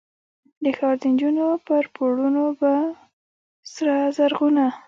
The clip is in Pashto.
د ښار دنجونو پر پوړونو به، سره زرغونه،